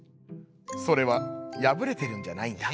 「それはやぶれてるんじゃないんだ」。